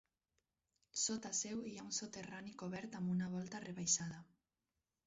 Sota seu hi ha un soterrani cobert amb una volta rebaixada.